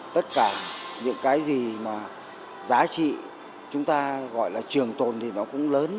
tất cả những cái gì mà giá trị chúng ta gọi là trường tồn thì nó cũng lớn